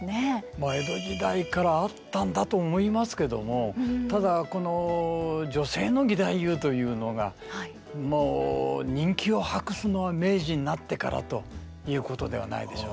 まあ江戸時代からあったんだと思いますけどもただこの女性の義太夫というのがもう人気を博すのは明治になってからということではないでしょうかね。